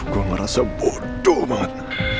gua merasa bodo banget